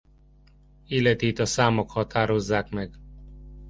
Életét a számok határozzák meg.